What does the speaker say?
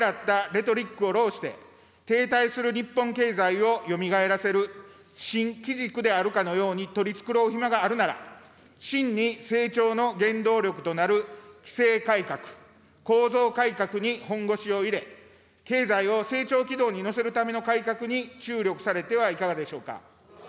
奇をてらったレトリックを弄して停滞する日本経済をよみがえらせる新機軸であるかのように取り繕う暇があるなら、真に成長の原動力となる規制改革、構造改革に本腰を入れ、経済を成長軌道に乗せるための改革に注力されてはいかがでしょうか。